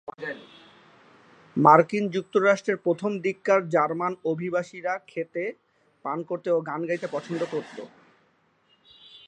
মার্কিন যুক্তরাষ্ট্রের প্রথম দিককার জার্মান অভিবাসীরা খেতে, পান করতে ও গান গাইতে পছন্দ করত।